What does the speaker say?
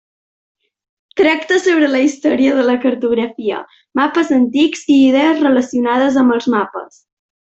Tracta sobre la història de la cartografia, mapes antics i idees relacionades amb els mapes.